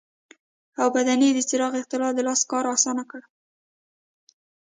اوبدنې د څرخ اختراع د لاس کار اسانه کړ.